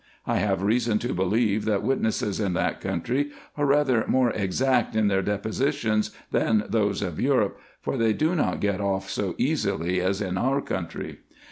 I have reason to believe, that witnesses in that country are rather more exact in their depositions than those of Europe, for they do not get off so easily as in our country.